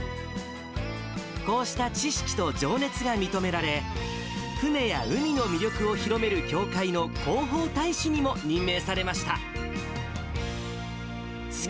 こうした知識と情熱が認められ、船や海の魅力を広める協会の広報大使にも任命されました。